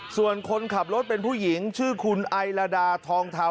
ส่วนคนขับรถเป็นผู้หญิงชื่อคุณไอลาดาทองเทา